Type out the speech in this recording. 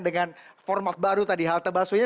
dengan format baru tadi halte busway